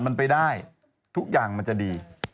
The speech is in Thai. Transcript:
มันไปได้ทุกอย่างมันจะดี